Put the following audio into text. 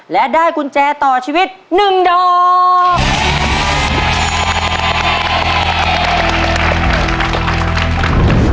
และได้กุญแจต่อชีวิต๑ดอก